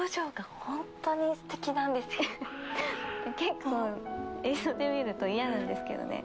結構映像で見ると嫌なんですけどね。